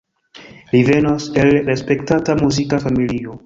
Li venas el respektata muzika familio.